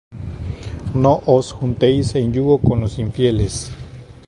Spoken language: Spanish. No os juntéis en yugo con los infieles: